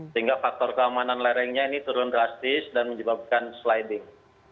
sehingga faktor keamanan lerengnya ini turun drastis dan menyebabkan sliding